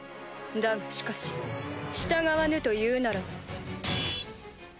だがしかし従わぬというならば。